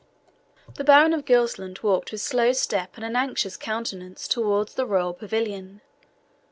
The Baron of Gilsland walked with slow step and an anxious countenance towards the royal pavilion.